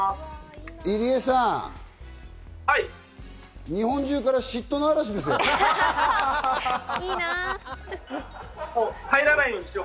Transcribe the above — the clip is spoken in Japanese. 入江さん、日本中から嫉妬の嵐ですよ。